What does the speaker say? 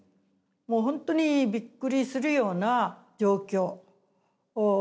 もう本当にびっくりするような状況です。